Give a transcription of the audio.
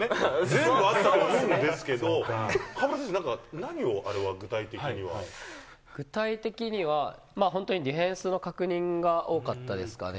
全部あったと思うんですけど、河村選手、具体的には、本当にディフェンスの確認が多かったですかね。